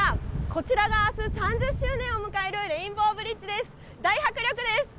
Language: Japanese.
こちらがあす、３０周年を迎えるレインボーブリッジです。